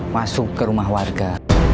masuk ke rumah warga